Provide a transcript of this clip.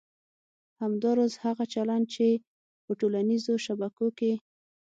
همداراز هغه چلند چې په ټولنیزو شبکو کې